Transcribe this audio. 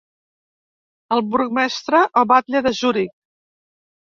El burgmestre o batlle de Zuric.